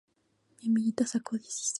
Ella desapareció ese mismo día.